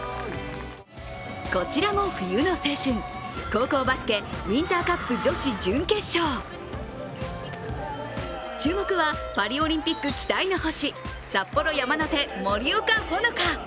こちらも、冬の青春、高校バスケウインターカップ女子準決勝注目はパリオリンピック期待の星、札幌山の手・森岡ほのか。